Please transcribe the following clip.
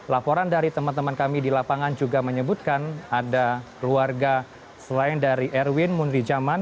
laporan dari teman teman kami di lapangan juga menyebutkan ada keluarga selain dari erwin munrijaman